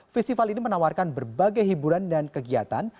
festival ini menawarkan berbagai hiburan dan kegiatan